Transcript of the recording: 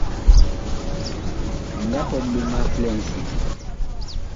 Mi nga pɔt ɓe ma flɛŋsi.